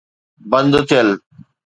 بند ٿيل.